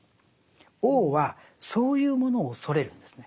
王はそういうものを恐れるんですね。